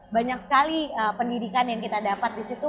banyak sekali pendidikan yang kita dapat disitu